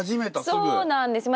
そうなんです。